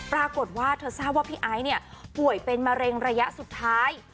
แล้วยังบอกว่าท่อค้าว่าพี่ไอซ์ป่วยเป็นมะเร็งระยะสุดท้าย